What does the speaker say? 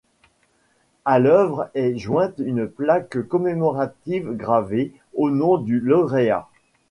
À l'œuvre est jointe une plaque commémorative gravée au nom du lauréat.